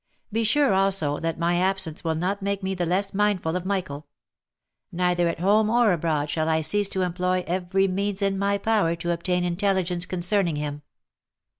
Be sure also, that my absence will not make me the less mindful of Michael. Neither at home or abroad shall I cease to employ every means in my power to obtain intelligence concerning him."